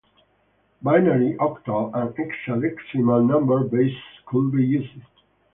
Binary, octal, and hexadecimal number bases could be used.